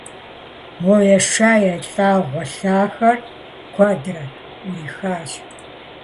Мо еша-елӀауэ гъуэлъахэр, куэдрэт, Ӏурихащ.